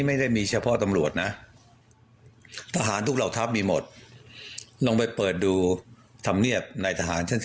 บอกโอ๋โตไอ้หญี่ป์เยี่ยมเลยเว้ย